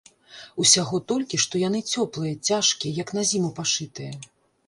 Усяго толькі, што яны цёплыя, цяжкія, як на зіму пашытыя.